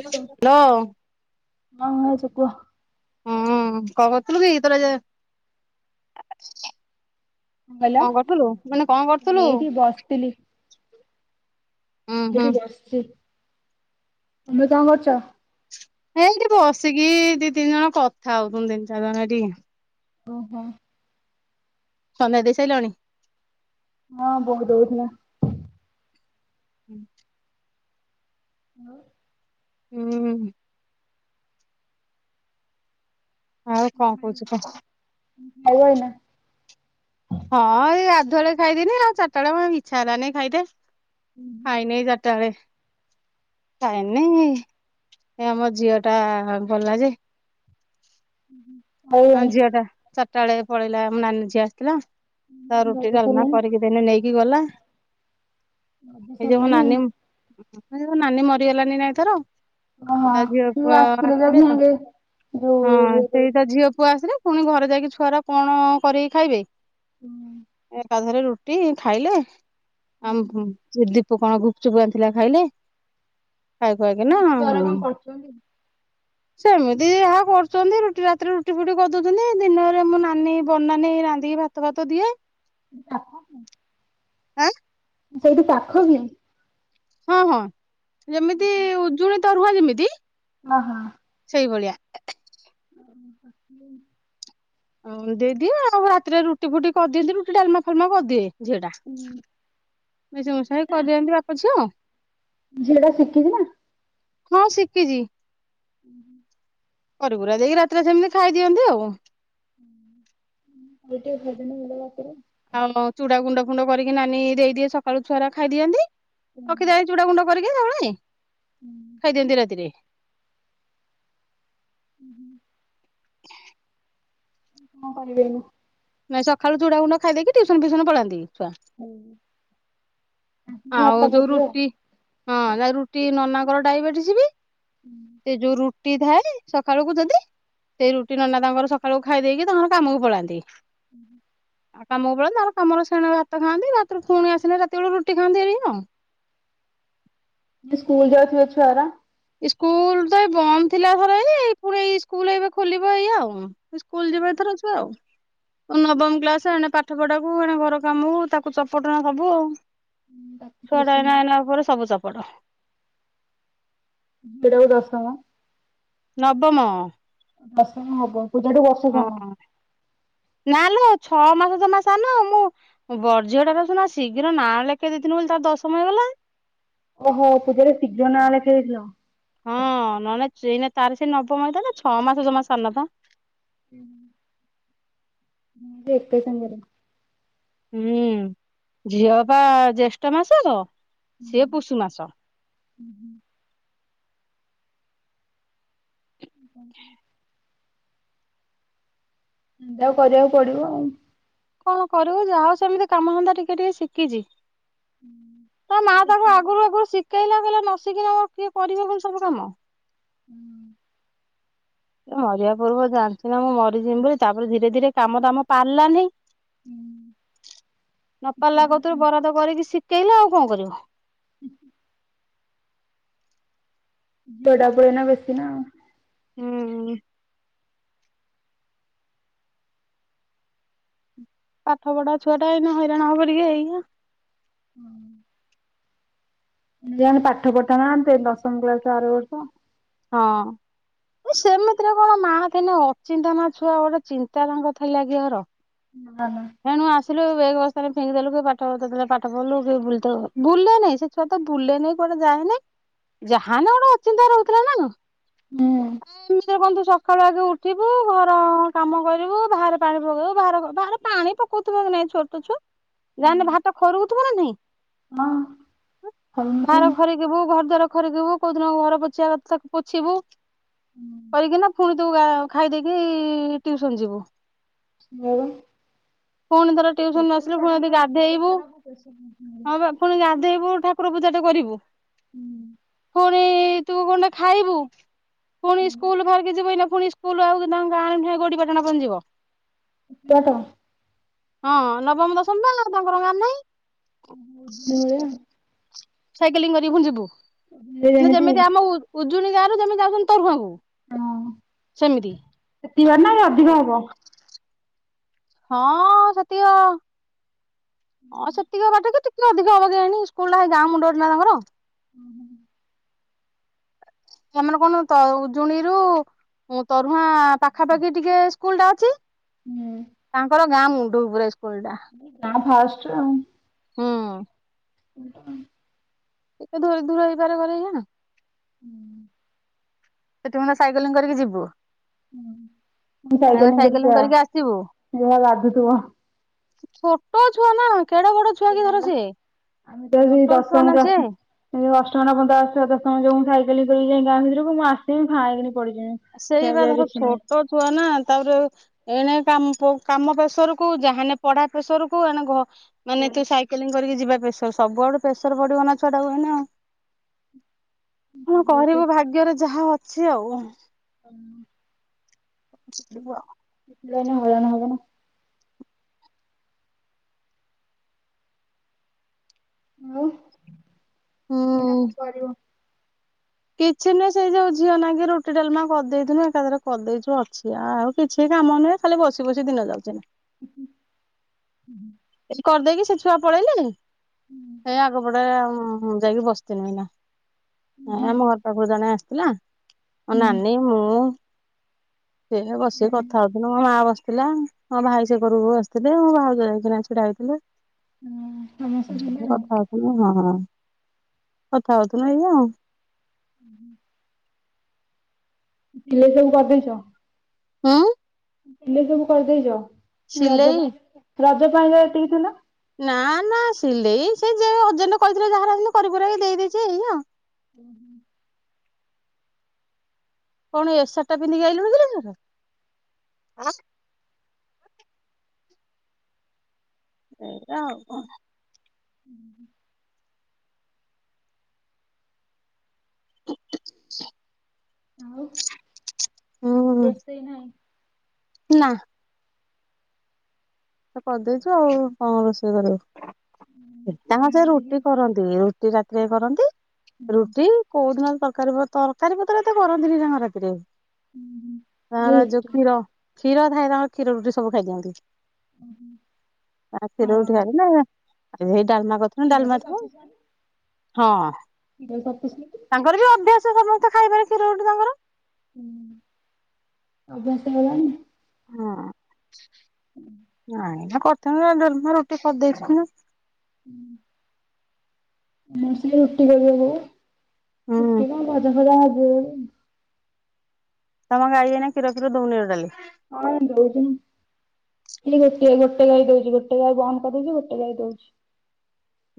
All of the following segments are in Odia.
ହ୍ୟାଲୋ। ହଁ ହାଲୋ। ଭାଉଜ କୁହ ହୁଁ କଣ କରଥୁଲୁ କି ତୋର ଏ ଯାଏ କଣ କରୁଥୁଲୁ ମୁଁ କହିଲି ନା କଣ କରୁଥୁଲୁ? ଏଇଠି ବସିଥିଲି। ଏଇଠି ବସଚି ତମେ କଣ କରଚ? ହଁ ଏଇଠି ବସିକି ଦିଇ ତିନି ଜଣ କଥା ହୋଉଥୁନୁ ତିନି ଚାରି ଜଣ ଏଇଠି। ଓହୋ। ସନ୍ଧ୍ୟା ଦେଇ ସାଇଲଣି? ହଁ ବୋଉ ଦୋଉଥୁଲା। ଉଁ। ଆଉ ଉଁ ଆଉ କଣ କୋହୁଚୁ କହ। ଖାଇବ ଏଇନା? ହଁ ଏଇ ଗାଧୁଆଏଳେ ଖାଇଥିନି ଆଉ ଚାରଟା ଏଳେ ଆଉ ଇଛା ହେଲାନି ଖାଇତେ। ହୁଁ। ଖାଇନି ଏଇ ଚାରିଟା ବେଳେ ଖାଇନି ଏ ଆମ ଝିଅଟା ବଲା ଯେ ଉଁହୁଁ ଆଉ ହଁ ଝିଅଟା ଚାରଟା ବେଳେ ପଳେଇଲା ମୋ ନାନୀ ଝିଅଟା ଆସଥିଲା ତା ରଜ ରୁଟି ଡାଲମା ସରିଲାଣି? କରିକି କି ଦେନି ନେଇକି ଗଲା ରଜ ଏଇ ଯୋଉ ମୋ ସରିଲାଣି ଆଉ। ନାନୀ ହଁ ଯେ ମୋ ନାନୀ ମରିଗଲାନେଇ ନା ଏଇଥର ଏମା ଯୋଉ ଆସଥିଲେ ଯୋଉ ତ ଧିଆଁକେ ହଁ ଯୋଉ ନା ସେଇ ତା ଝିଅ ପୁଅ ଆସିଲେ ପୁଣି ଘରେ ଯାଇକି ଛୁଆରା କଣ କରିକି ଖାଇବେ? ହୁଁ। ତା ଦେହରେ ରୁଟି ଖାଇଲେ। ଆମ ଦୀପୁ କଣ ଗୁପଚୁପ୍ ଆଣିଥିଲା ଖାଇଲେ। ଖାଇ ଖୁଆକି ନା ଛୁଆଗୁରା କଣ କରୁଛନ୍ତି? ସେମିତି ଦିଦି ଯାହା କରୁଛନ୍ତି ରୁଟି ରାତିରେ ରୁଟି ଫୁଟି କରିଦଉଛନ୍ତି ଦିନରେ ମୁୋ ନାନୀ ବନ ନେଇୀ ରାନ୍ଧିକି ଭାତ ଭାତ ଦିଏ। [unintelligible] ସେଇଠୁ ପାଖକି? ହଁ ହଁ ଯେମିତି ଉଜୁଳି ତରୁଆ ଯେମିତି ଓହୋ। ସେଇଭଳିଆ। [unintelligible] ହଁ ଦେଇଦିଏ ଆଉ ରାତିରେ ରୁଟି ଫୁଟି କରିଦିଅନ୍ତି ରୁଟି ଡାଲମା ଫାଲମା କରିଦିଏ। ଝିଅ ଟା ମିଶି ମୁଶାକି କରିଦିଅନ୍ତି ବାପ ଝିଅଉ ଝିଅଟା ସିଖିଛି ନା? ହଁ ଶିଖିଛି। ହୁଁ। କରିକୁରା ଦେଇକି ରାତିରେ ସେମିତି ଖାଇଦିଅନ୍ତି ଆଉ। [unintelligible] ରାତିରେ ଆଉ ଚୁଡା ଗୁଣ୍ଡ ଫୁଣ୍ଡ କରିକି ନାନୀ ଦେଇଦିଏ ସକାଳୁ ଚୁଆରା ଖାଇଦିଅନ୍ତି ରଖି ଚୁଡ଼ା ଗୁଣ୍ଡ କରିକି [unintelligible] ଖାଇଦିଅନ୍ତି ରାତିରେ। ହୁଁ ହୁଁ। କଣ କରିବି ମୁଁ? ନାଇଁ ସକାଳୁ ଚୁଡାଗୁଣ୍ଡ ଖାଇଦେଇକି ଟ୍ୟୁସନ ଫୁୟୁସନ ପଳାନ୍ତି ଛୁଆ। ହୁଁ। ଭାତ ଆଉ ଯୋଉ ଖାଉଥିବେ ଆଉ ରୁଟି ହଁ ରୁଟି ନନାଙ୍କର ଡାଇବେଟିସ ବି। ହୁଁ। ସେ ଯୋଉ ରୁଟି ଥାଏ ସକାଳକୁ ଯଦି ସେ ସେଇ ରୁଟି ନନା ତାଙ୍କର ସକାଳୁ ଖାଇ ଦେଇକି ତାଙ୍କର କାମକୁ ପଳାନ୍ତି। ହୁଁ। ଆଉ କାମକୁ ପଳାନ୍ତି ତାପରେ କାମରେ ସେଣ ଭାତ ଖାଆନ୍ତି ରାତିରୁ ପୁଣି ଆସିଲେ ରାତି ବେଳେ ରୁଟି ଖାନ୍ତି ଏରିଆ ସ୍କୁଲ ଯାଉଥିବା ଛୁଆରା ସ୍କୁଲ ତ ଏ ବନ୍ଦ ଥିଲା ଥର ଏ ପୁଣି ଏ ସ୍କୁଲ ଏବେ ଖୋଲିବ ଏଇ ଆଉ। ସ୍କୁଲ ଯିବ ଏଥର ଛୁଆ ଆଉ। ନବମ କ୍ଲାସ ଏଣେ ପାଠ ପଢାକୁୁ ଏେ ଘର କାମକୁ ତାକୁ ଚପଟଣା ହବ ଆଉ। ଝିଅଟାକୁ ଛୁଆ ଟା ଏଇନା ଏଇନା ପରେ ସବୁ ଚପଟ। [unintelligible] ଦଶମ ନବମ। ଦଶମ ହବ [unintelligible] [unintelligible] ହଁ ନାଲୋ ଛଅ ମାସ ଯମା ସାନ ମୁଁ ବର୍ ଝିଅଟା ଶିନା ଶୀଘ୍ର ନାଁ ଲେଖେଇ ଦେଇଥିଲି ନ। ବୋଲି ତା ତାର ଦଶମ ହେଇଗଲା। ଓହୋ ପୂଜାର ଶୀଘ୍ର ନାଁ ଲେଖା ହେଇଯାଇଥିଲା। ହଁ ନହେଲେ ଏଇ ତାରି ସେଇ ନବମ ହେଇଥାନ୍ତା ଛଅ ମାସ ଜମା ସାନ ପା। ହୁଁ। ହୁ ଏତେ ସୁନ୍ଦର। ହୁଁ ଝିଅ ବା ଜ୍ୟେଷ୍ଠ ମାସ [unintelligible] ସିଏ ପୁଶୁ ମାସ। ହୁଁ ହୁଁ [inaudible] [inaudible] [unintelligible] କରିଆକୁ ପଡିବ ଆଉ। କଣ କରିବୁ ଯାହା ହଉ ସେମିତି କାମ ଧନ୍ଦା ଟିକେ-ଟିକେ ଶିକିଚି। ତା ମା ତାକୁ ଆଗୁରୁ-ଆଗୁରୁ ଶିକେଇଲା କହିଲା ନ ଶିକିଲେ ମୋର କିଏ କରିବ ସବୁ କାମ। ହୁଁ। ଏ ମରିବା ପୂର୍ବ ଜାଣିଚି ନା ମୁଁ ମରିଯିବି ବୋଲି, ତାପରେ ଧୀରେ-ଧୀରେ କାମ ଦାମ ପାରିଲାନି। ନପାରିଲା କତୁରୁ ବରାଦ କରିକି ଶିକେଇଲା ଆଉ କଣ କରିବ। ହୁଁ [inaudible] [unintelligible] ଟା ପୁରା ଏଇନା ବେଶି ନା ଆଉ। ହୁଁ। ପାଠ ପଢା ଛୁଆଟା ଏଇନା ହଇରାଣ ହବ ଟିକେ ଏଇଆ। ହୁଁ [inaudible] [unintelligible] ପାଠ ପଢ଼ିଥାନ୍ତା ନା [unintelligible] ଦଶମ କ୍ଲାସ୍ ଆରବର୍ଷ। ହଁ। ଏ ସେମିତିରେ କଣ ମା ଥେନେ ଅଚିନ୍ତାନା ଛୁଆ ଗୋଟେ ଚିନ୍ତା ତାଙ୍କର ଥିଲାକି କାହାର। [inaudible] ଏଣୁ ଆସିଲୁ ବେଗ୍ ବସ୍ତାନି ଫିଙ୍ଗିଦେଲୁ କି ପାଠ [unintelligible] କି ବୁିଲ୍ ତ, ବୁଲା ନାଇଁ ସେ ଛୁଆ ତ ବୁଲେ ନେଇଁ କୁଆଡେ ଯାଏନେଇଁ ଯାହେନେ ଗୋଟେ ଅଚିନ୍ତା ରହୁଥିଲା ନା। ହୁଁ [inaudible] ସଖାଳୁ ଆଗେ ଉଠିବୁ ଘର କାମ କରିବୁ ବାହାରେ ପାଣି ପକେଇବୁ ବାହାର-ବାହାର ପାଣି ପକଉଥିବ କି ନାଇଁ ଛୋଟ ଛୁଆ, ଯାହାନେ ବାହାରଟା ଖରକୁଥିବ ନା ନାହିଁ। ହଁ ହଉ ବାହର ଖରି [unintelligible] ଘର ଦ୍ୱାର ଖରିକିବୁ କୋଉ ଦିନ ଘର ପୋଛିବା କଥା ତାକୁ ପୋଛିବୁ କରିକିନା ଫୁଣି ତୁ ଖାଇଦେଇକି ଟ୍ୟୁସନ୍ ଯିବୁ। [inaudible] ଫୁଣି ଥରେ ଟ୍ୟୁସନ୍ ରୁ ଛୋଟ ଆସିଲୁ ଫୁଣି ଛୁଆଟା ଯଦି ନା ଛୋଟ ଗାଧେଇବୁ। ଛୁଆଟାକୁ ପ୍ରେସର ବହୁତ ମିଳେ। ଫୁଣି ଗାଧେଇବୁ ଠାକୁର ପୂଜା ତ କରିବୁ, ଫୁଣି ତୁ କଣଟା ଖାଇବୁ ପୁଣି ସ୍କୁଲ୍ ବାହାରିକି ଯିବୁ ଏଇନା ଫୁଣି ସ୍କୁଲ୍ ଆଉ ତାଙ୍କ ଗାଁରେ ନାହିଁ [unintelligible] ପୁଣି ଯିବ। [unintelligible] ହଁ ନବମ ଦଶମ ବା ଆଉ ତାଙ୍କର ଗାଁରେ ନାହିଁ। [inaudible] ସାଇକେଲିଂ କରକି ଫୁଣି ଯିବୁ, ମାନେ ଯେମିତି ଆମ ଉଜୁଣି ଗାଁରୁ ଯେମିତି ଯାଉଛନ୍ତି ତରୁହାଁ କୁ। ହଁ ସେମିତି। ସେତିକି ବାଟ ନା ଇଏ ଅଧିକ ହବ? ହଁ ସେତିକ ହଁ ସେତିକ ବାଟ କି ଟିକେ ଅଧିକ ହବ କେଜାଣି, ସ୍କୁଲ୍ ଟା ସେ ଗାଁ ମୁଣ୍ଡରେ ନା ତାଙ୍କର। ହୁଁ ହୁଁ [inaudible] ଆମର କଣ ଉଜୁଣି ରୁ ତରୁହାଁ ପାଖାପାଖି ଟିକେ ସ୍କୁଲ୍ ଟା ଅଛି। ତାଙ୍କର ଗାଁ ମୁଣ୍ଡକୁ ପୁରା ଇସ୍କୁଲ ଟା। ତାଙ୍କ ଫାଷ୍ଟରେ ଆଉ। ହୁଁ। [unintelligible] [unintelligible] ଧରି ଧୁରା [unintelligible] କରେକିନା। ହୁଁ। ଏତେ ଘଣ୍ଟା ସାଇକେଲିଙ୍ଗ୍ କରିକି ଯିବୁ। ମାନେ ସାଇକେଲିଂ କରିକି ଆସିବୁ? ଯାହା ବାଧୁଥିବ। ଛୋଟ ଛୁଆ ନା କେଡେ ବଡ ଛୁଆ କି ଧର ସିଏ ଆମେ ତ ହେଇଠି ଛୋଟ ଛୁଆ ଦଶମ ନା ସିଏ [unintelligible] ସେଇ ଅଷ୍ଟମ ନବମ ତାସ୍ ରେ ଦଶମ ଯୋଉଁ, ମୁଁ ସାଇକେଲିଙ୍ଗ୍ କରିକି ଯାଇଁ ଗାଁ ଭିତରକୁ, ମୁଁ ଆସିବି ଫାଇଁକି ପଡିଯିମି। ସେଇବା ଧର ଛୋଟ ଛୁଆ ନା, ତା'ପରେ ଏଣେ କାମ ପ-କାମ ପ୍ରେସରକୁ ଯାହେନେ, ପଢା ପ୍ରେସର କୁ ଏଣେ ଘ ମାନେ ତୁ ସାଇକେଲିଂ କରିକି ଯିବା ପ୍ରେସର୍। ସବୁଆଡୁ ପ୍ରେସର୍ ବଢିବ ନା ଛୁଆଟାକୁ ଏଇନେ ଆଉ। କଣ କରିବୁ, ଭାଗ୍ୟରେ ଯାହା ଅଛି ଆଉ? [inaudible] ଯିବୁ ଆଉ। ମିଳନ ହବନା, ହବନା। ଆଉ, ଏଇନା ହୁଁ। କଣ କରିବ? କିଛି, ନୁହେଁ, ସେଇ ଯୋଉ ଝିଅ ନାଗି ରୁଟି ଡାଲମା କରିଦେଇଥିନୁ, ଏକାଥରେ କରିଦେଇଛୁ, ଅଛି ଆଉ କିଛି କାମ ନୁହେଁ, ଖାଲି ବସି ବସି ଦିନ ଯାଉଛି ଏଇନେ। [inaudible] ଏଠ କରିଦେଇକି, ସେ ଛୁଆ ପଳେଇଲେ, ହେଇ ଆଗପଟେ ମୁଁ ଯାଇକି ବସିଥିଲିନୁ ଏଇନା। ହଁ, ଆମ ଘର ପାଖକୁ ଜଣେ ଆସିଥିଲାଁ, ମୋ ହୁଁ। ନାନୀ, ମୁଁ ସେ ବସିକି କଥା ହଉଥୁନୁ, ମୋ ମା ବସିଥିଲା। ମୋ ଭାଇ ସେ ଘରକୁ ବସିଥିଲେ, ମୋ ଭାଉଜକୁ ଯାଇଥିନେ ଛିଡାହେଇଥିଲେ। ହଁ ସମସ୍ତେ ଥିଲେ ହୁଁ ଆଉ। କଥା ହଉଥୁ ଉ, ହଁ, କଥା ହଉଥୁନୁ, ଏଇଆଁ। ଉ, ହୁଁ। ପିଲେ ସବୁ କରିଦେଇଚ? ହଁ। ପିଲେ ସବୁ କରିଦେଇଚ। ରଜ ସିଲେଇ ପାଇଁ ରଜ ପାଇଁ ଏତିକି ଥିଲା। ନାଁ, ନାଁ ସିଲେଇ ସେ ଯେ ଅଜେଣ୍ଟେ କହିଥିଲେ ଯାହାର, ଜିଇଁତି କୁରାକି ଦେଇେଇଛି, ଏଇଆ ଆଉ। ଉଁ, ହୁଁ। କଣ ଏସାର୍ଟା ପିନ୍ଧିକି ଆଇଲୁଣି କିଲୋ ଝିଅଟା? ସେଇଆ ଆଉ କଣ? ଉଁ, ହୁଁ। ଆଉ [unintelligible] ରୋଷେଇ ନାଇଁ? ନାଁ। ଆଉ କରିଦେଇଛୁ, ଆଉ କଣ ରୋଷେଇ କରିବ? ତାଙ୍କ ସେ ଆମର ଟିକେ ରୁଟି କରନ୍ତି, ରୁଟି ରାତିରେ କରନ୍ତି। ହୁଁ। ରୁଟି କୋଉ ଦିନ ତରକାରୀ ପତର, ତରକାରୀ ପତ୍ର ଏତେ କରନ୍ତିନି, ତାଙ୍କ ରାତିରେ। ହୁଁ, ହୁଁ। ତାଙ୍କର ଯୋଉ କ୍ଷୀର-କ୍ଷୀର ଥାଏ, ତାଙ୍କର କ୍ଷୀର ରୁଟି ସବୁ ଖାଇ ଦିଅନ୍ତି। ଉଁ ହୁଁ। ଏଁ କ୍ଷୀର ରୁଟି ଖାଇଲେ। ଏ ହେଇ ଡାଲମା କରିଥି କ୍ଷୀର ତ ସଫିସେଣ୍ଟ, କ୍ଷୀର ସଫିସେଣ୍ଟ। ତାଙ୍କର ବି ଅଭ୍ୟାସ, ସମସ୍ତେ ଖାଇବାରେ କ୍ଷୀର ରୁଟି ତାଙ୍କର। ହୁଁ, ଅଭ୍ୟାସ ହେଇଗଲାଣି। ହଁ। [unintelligible] ହୁଁ। ହୁଁ [unintelligible] ତମ ଗାଇ ଏଇନା କ୍ଷୀର ଫୀର ଦଉନି ଟୋଟାଲି? ହଁ, ଦଉଛି ନା। ଖାଲି ଗୋ ଗୋଟ ଗାଈ ଦଉଛି, ଗୋଟେ ଗଈ ବନ୍ଦ କରିଦେଇଛି, ଗୋଟେ ଗାଈ ଦଉଛି।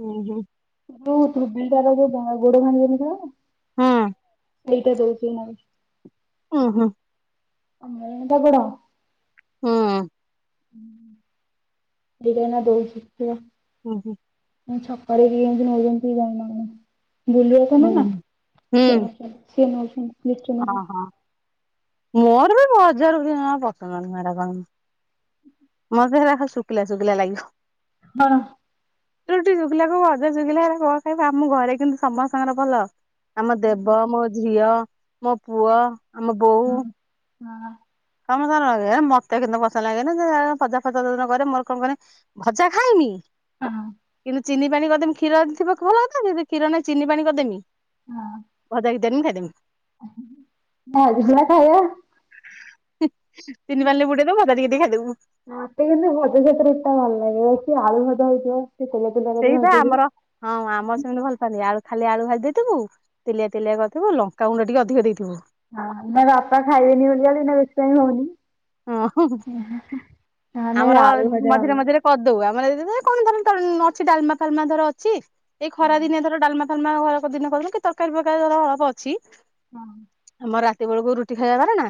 ହୁଁ ହୁଁ। [unintelligible] ଯୋଉ ଗୋଡ ଭାଙ୍ଗି ଯାଇନଥିଲା? ହଁ। ଏଇଟା ଦଉଛି। [unintelligible] ହୁଁ ହୁଁ। [unintelligible] ହୁଁ। ହୁଁ। [unintelligible] ହୁଁ ହୁଁ। ଛକରେ ବି ଏମତି ନଉଛନ୍ତି ଜଣେ ନା କଣ, ବୁଲୁ ବାପା ନୁହେଁ ନା ହୁଁ ସେଇ ସେ ନଉଛନ୍ତି। ଲିଟୁ ହଁ ନେଖା ହଁ, ମୋର ବି ବଜାରରୁ କିଣିବା ପସନ୍ଦ ନୁହଁ ହେରା କଣ। ମତେ ହେରା ଖାଲି ଶୁଖିଲା ଶୁଖିଲା ଲାଗିବ। ଅଃ। ରୁଟି ଶୁଖିଲା କୁ ଭଜା ଶୁଖିଲା ହେରା କଣ ଖାଇବୁ, ଆମ ଘରେ କିନ୍ତୁ ସମସ୍ତଙ୍କର ଭଲ। ଆମ ଦେବ, ମୋ ଝିଅ, ମୋ ପୁଅ ଆମ ବୋଉ ହୁଁ ହଁ। [unintelligible] ଭଜା ଖାଇନି? ହଁ। କିନ୍ତୁ ଚିନି ପାଣି କରି ଦେମି କ୍ଷୀର ଥିବ ତ ଭଲ କଥା। ଯଦି କ୍ଷୀର ନହିଁ ଚିନି ପାଣି କରି ଦେମି। ହଁ ଭଜା। [unintelligible] [inaudible] ଚିନି ପାଣି ରେ ବୁଡ଼େଇ ଦବୁ, ଭଜା ଟିକେ ଟିକେ ଖାଇ ଦେବୁ। ମତେ କିନ୍ତୁ ଭଜା ସହିତ ରୁଟି ଟା ଭଲ ଲାଗେ। [unintelligible] ଆଳୁ ଭଜା ହେଇଥିବ। [unintelligible] ସେଇପା ଭାଜିଥିବେ ଆମର ହଁ ଆମ ସେନ୍ତି ଭଲ ପାଆନ୍ତି। ଆଳୁ ଖାଲି ଆଳୁ ଭାଜି ଦେଇଥିବୁ, ତେଲିଆ ତେଲିଆ କରିଥିବୁ, ଲଙ୍କା ଗୁଣ୍ଡ ଟିକେ ଅଧିକ ଦେଇଥିବୁ। ହଁ ନା ବାପା ଖାଇବେନି ବୋଲିକା ଏଇନା ବେଶି ଟାଇମ୍ ହଉନି। ହଁ, ନହେଲେ ଆମର ଆଳୁ ଭଜା ଭଲ ମଝିରେ ଲାଗେ। ମଝିରେ କରି ଦଉ ଆମର କଣ ଧର ଅଛି ଡାଲମା ଫାଲମା ଧର ଅଛି, ଏଇ ଖରା ଦିନିଆ ଧର ଡାଲମା [unintelligible] କି ତରକାରୀ ଫରକାରୀ ଧର ହଳବ ଅଛି। ହଁ। ଆମର ରାତି ବେଳକୁ ରୁଟି ଖାଇବା।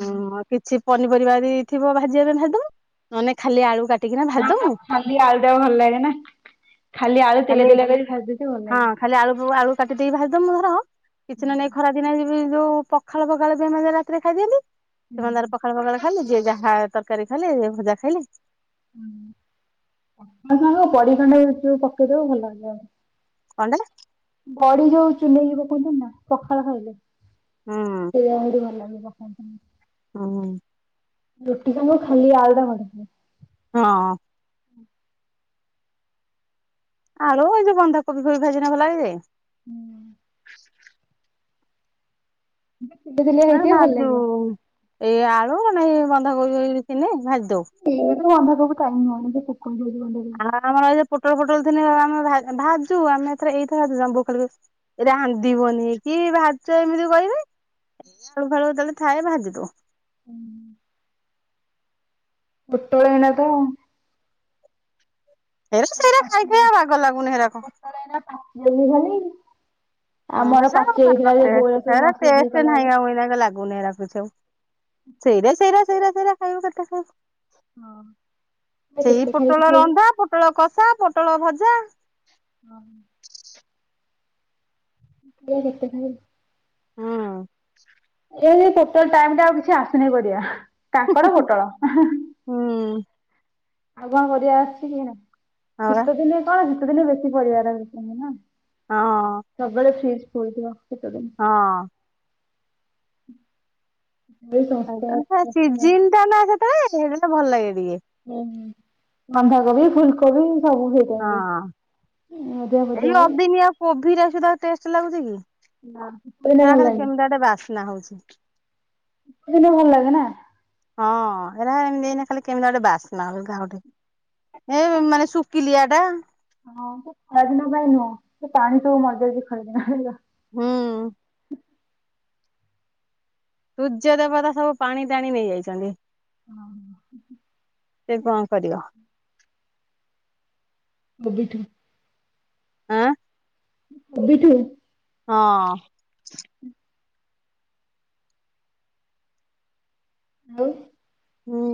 ହଁ କିଛି ପନିପରିବା ଯଦି ଥିବ ଭାଜିିବା ପାଇଁ ଭାଜି ଦବୁ। ନହେଲେ ନାଇଁ ଖାଲି ଆଳୁ କାଟିକିନା ନା ଭାଜି ନା ଦଉ। ଖାଲି ଆଳୁ ଟା ଭଲ ଲାଗେ ନା ଖାଲି ଆଳୁ ତେଲ ଖାଲି ତେଲ କରି ଭାଜୁଛି ଭଲ ଲାଗେ। ହଁ, ଖାଲି ଆଳୁ ବ ଆଳୁ କଟି ଦେଇକି ଭାଜି ଛତୁ ଧର, କିଛି ନହେଲେ ନାଇଁ ଏଇ ଖରା ଦିନେ ଯି ଯୋଉ ପଖାଳ-ଫଖାଳ ଥିବ ହେରା ରାତିରେ ଖାଇ ଦିଅନ୍ତି। ସେମାନେ ତାଙ୍କର ପଖାଳ-ଫଖାଳ ଖାଇଲେ, ଯିଏ ଯାହା ତରକାରୀ ଖାଇଲେ, ଭଜା ଖାଇଲେ। ହଁ ସାଙ୍ଗ [unintelligible] ପକେଇଦବ ଭଲ [unintelligible] କଣ ଟେ? ବଢ଼ି ଯୋଉ ଚୁନେଇକି ପକୁଅନ୍ତିନି ନା ପଖାଳ ଖାଇଲେ ହୁଁ [unintelligible] ଭଲ ଲାଗିବ। ହଁ ହୁଁ। ହୁଁ। ରୋଟି ତ ମୁ ଖାଲି ଆଳୁ ଟା [unintelligible] ହଁ। ଆଳୁ ଏଇ ଯଉ ବନ୍ଧକୋବି ଫୋବି ଭାଜିିନେ ଭଲ ଲାଗେଜେ। ହୁଁ। [unintelligible] ମେ ଭାଜୁ ଲାଗିବ। ଏଇ ଆଳୁ ନାଇଁ ବନ୍ଧା କୋବି ଥିନେ ଭାଜି ଦଉ। ଇଏତ ବନ୍ଧାକୋବି ଖାଇନହାନ୍ତି ପୋକ ହେଇଜିବ ବୋଲି। ଆମର ଏ ପୋଟଳ ଫୋଟଳ ଥିଲେ ଆମ ଭାଜୁ ଆମେ ଏଥରେ ଏଇଥରେ [unintelligible] ରାନ୍ଧିବନି କି ଭାଯୁଚ ଏମିତି କହିବେ। ଏଇ ଆଳୁ ଫାଳୁ ଯେତେବେଳେ ଥାଏ ଭାଜିଦୋଉ। ହୁଁ। ପୋଟଳ ହୋଇନଥିବ ହେରା ସେରା ଖାଇ ଖାଇକି ବାଗ ଲାଗୁନି ହେରାକ। ତୋର ଏରା ପାଚି ଯାଉଚି ଖାଲି। ହଁ ଆମର ହେରା ପାଚି ଆଉ ଯାଇଥିଲା ଯେ ବୋଉରା ଟେଷ୍ଟ ସବୁ ହେରା ମସଲା ଦେଇ ଟେଷ୍ଟ କଲା ନାଇଁ ବେଳକୁ। ଆଉ ଏଇନାକେ ଲାଗ ଗୁନି ଏରା କିଛି ଆଉ ସେଇରା ସେଇରା ସେଇରା ସେଇରା ଖାଇବ କେତେ ଖାଇବ। ହଁ। ଏରା ସେଇ କେତେ ଖାଇକି ପୋଟଳ ଖାଇବି ରନ୍ଧା ପୋଟଳ କଷା ପୋଟଳ ଭଜା। ହଁ। ଯିଏ ଯେତେ ଖାଇବ। ହୁଁ। ଏଇ ଟୋଟଲ ଟାଇମ ଟା ଆଉ କିଛି ଆସୁନି ପରିବା କାଙ୍କଡ ପୋଟଳ। ହୁଁ। ଆଉ କଣ ପରିବା ଆସିୁଛି କି ଏଇନା ହଁ ବା ଶୀତ ଦିନେ କଣ ଶୀତ ଦିନେ ବେଶୀ ପରିବା ରାହୁଚିନା। ହଁ। ସବୁବେଳେ ଫ୍ରିଜ ଫୁଲ ଥିବ ସିତଦିନେ। ହଁ। ଏ ଶସ୍ତା [unintelligible] [unintelligible] ସେତବେଲେ ସେଇଟା ଭଲ ଲାଗେ ଟିକେ। ହୁ ବନ୍ଧାକୋବି ଫୁଲକୋବି ସବୁ ହେଇ ହଁ ଏଇ ଆଉ ଅଦିନିଆ କୋବିରା ସୁଧା ଟେଷ୍ଟ ଲାଗୁଚି କି? ନା ଶୀତ ଦିନେ ଏରା ଭଲ ଖାଲି ଲାଗେ କେମିତିଆ ଗୋଟେ ବାସ୍ନା ହଉଚି। ସେଥିପାଇଁ ଭଲ ଲାଗେ ନା। ହଁ ଏରା ଏମିତି ଖାଲି କେମିତି ଗୋଟେ ବାସ୍ନା ଅଲଗା ଗୋଟେ। ଏ ମାନେ ଶୁଖିଲିଆ ଟା। ହଁ ସେ ଖରାଦିନ ପାଇଁ ନୁହଁ ସେ ପାଣି ସବୁ ମରି ଯାଇଚି ଖରାଦିନ ହେଲେ। ହୁଁ। ସୂର୍ଯ୍ୟ ଦେବତା ସବୁ ପାଣି ଟାଣି ନେଇଯାଇଚନ୍ତି। ହଁ। ସେ କଣ କରିବ। [unintelligible] ଆଁ। କୋଉଠି? ହଁ। ଆଉ। ହୁଁ।